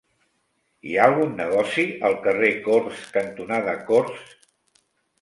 Hi ha algun negoci al carrer Corts cantonada Corts?